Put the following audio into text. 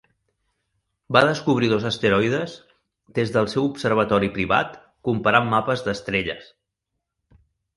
Va descobrir dos asteroides des del seu observatori privat comparant mapes d'estrelles.